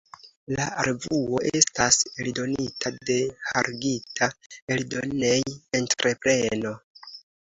La revuo estas eldonita de Hargita Eldonej-entrepreno.